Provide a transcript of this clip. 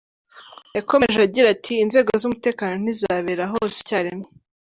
Yakomeje agira ati :"Inzego z’umutekano ntizabera hose icya rimwe.